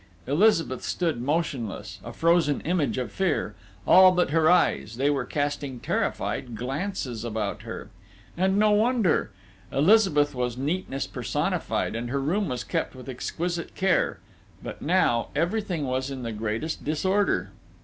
Elizabeth stood motionless a frozen image of fear all but her eyes: they were casting terrified glances about her.... And no wonder! Elizabeth was neatness personified, and her room was kept with exquisite care but now, everything was in the greatest disorder....